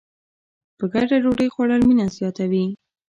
په ګډه ډوډۍ خوړل مینه زیاتوي.